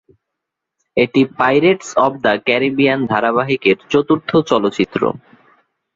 এটি "Pirates of the Caribbean" ধারাবাহিকের চতুর্থ চলচ্চিত্র।